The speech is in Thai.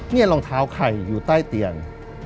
นี่รองเท้าใครอยู่ใต้เตียง